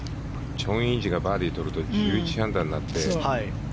チョン・インジがバーディーを取ると１１アンダーになって。